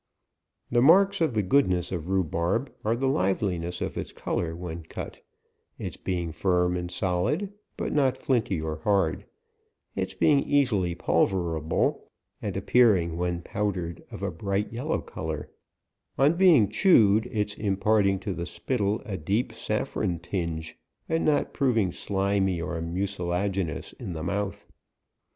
The marks of the goodness of rhubarb, are the liveliness of its colour when cut, its being firm and solid, but not flinty or hard, its being easily pulverable, and appearing when pow r dered of a bright yellow colour ; on be ing chewed, its imparting to the spittle a deep saffron tinge, and not proving slimy, or mu eilaginous in the mouth.